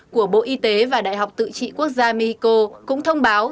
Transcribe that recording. của bộ y tế và đại học tự trị quốc gia mexico cũng thông báo